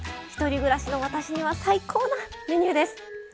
１人暮らしの私には最高なメニューです。